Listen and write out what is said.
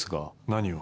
「何を？」